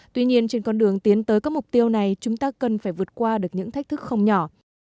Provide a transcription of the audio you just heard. tuy nhiên trên con đường tiến tới các mục tiêu này chúng ta cần phải vượt qua được những thách thức không nhỏ